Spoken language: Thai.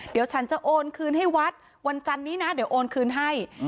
เดี๋ยวฉันจะโอนคืนให้วัดวันจันนี้นะเดี๋ยวโอนคืนให้